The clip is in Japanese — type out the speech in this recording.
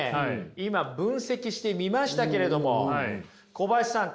今分析してみましたけれども小林さん